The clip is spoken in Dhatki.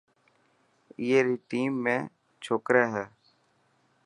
اي ري ٽيم ۾ ڇوڪري هي.